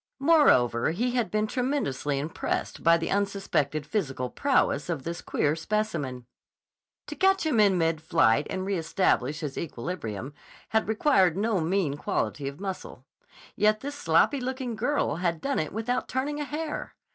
Moreover, he had been tremendously impressed by the unsuspected physical prowess of this queer specimen. To catch him in mid flight and reëstablish his equilibrium had required no mean quality of muscle. Yet this sloppy looking girl had done it without turning a hair!